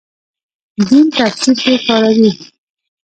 دین تفسیر کې کاروي.